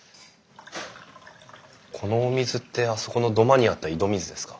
このお水ってあそこの土間にあった井戸水ですか？